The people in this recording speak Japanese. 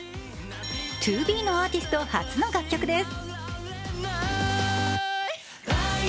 ＴＯＢＥのアーティスト初の楽曲です。